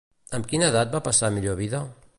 Amb quina edat va passar a millor vida?